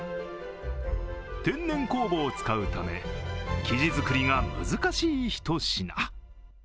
天然酵母を使うため、生地作りが難しい一品。